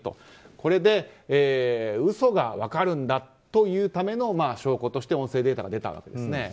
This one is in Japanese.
これで、嘘が分かるんだと言うための証拠として音声データが出たわけです。